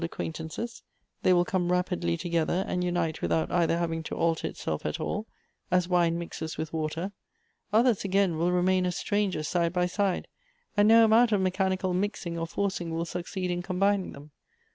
acquaintances; they will come rapidly together, and unite without either having to alter itself at all — as wine mixes with water. Others, again, will remain as strangers side by side, and no amount of mechanical mixing or forcing will succeed in combining them.